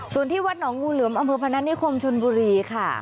ส่วนที่วัดหนองฺวเหลมอำเภอพระนักนิษฐ์ขวมชุนบุหรีค่ะ